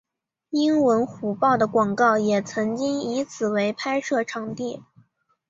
英文虎报的广告也曾经以此为拍摄场地。